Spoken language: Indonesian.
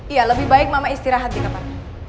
iya lebih baik mama istirahat di kamar